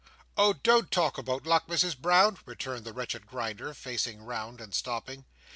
"Oh don't talk about luck, Misses Brown," returned the wretched Grinder, facing round and stopping.